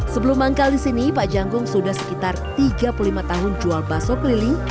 sebelum manggal di sini pak janggung sudah sekitar tiga puluh lima tahun jual bakso keliling